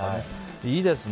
いいですね。